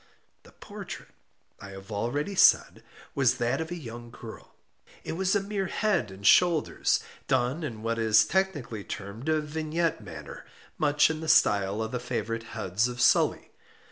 The portrait, I have already said, was that of a young girl. It was a mere head and shoulders, done in what is technically termed a vignette manner; much in the style of the favorite heads of Sully.